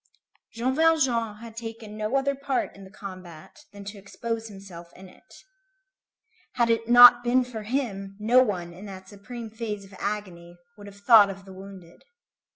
Jean Valjean had taken no other part in the combat than to expose himself in it. Had it not been for him, no one, in that supreme phase of agony, would have thought of the wounded.